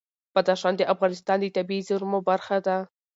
بدخشان د افغانستان د طبیعي زیرمو برخه ده.